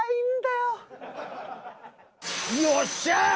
よっしゃ！